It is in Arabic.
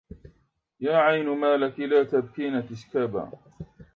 يا عين ما لك لا تبكين تسكابا